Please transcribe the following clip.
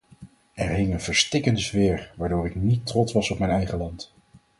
Er hing een verstikkende sfeer, waardoor ik niet trots was op mijn eigen land.